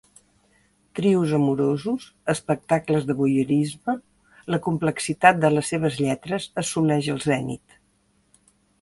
Trios amorosos, espectacles de voyeurisme, la complexitat de les seves lletres assoleix el zenit.